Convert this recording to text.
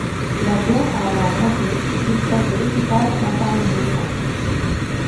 L'avion a alors grimpé jusqu'à ce que l'équipage entame une descente.